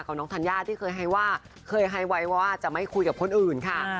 กับน้องทันยาที่เคยให้ไว้ว่าจะไม่คุยกับคนอื่นค่ะ